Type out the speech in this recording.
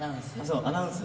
アナウンス？